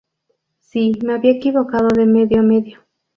Sí, me había equivocado de medio a medio.